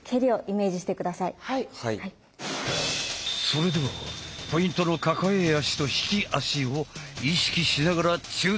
それではポイントの抱え足と引き足を意識しながら中段前蹴り。